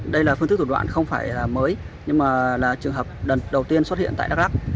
đây là phương thức thủ đoạn không phải mới nhưng mà là trường hợp lần đầu tiên xuất hiện tại đắk lắc